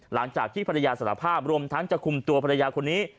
หลังจากที่ภรรยาสารภาพรวมทั้งจะคุมตัวภรรยาคนนี้